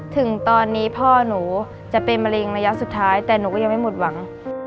ถึงตอนนี้พ่อหนูจะเป็นมะเร็งระยะสุดท้ายแต่หนูก็ยังไม่หมดหวัง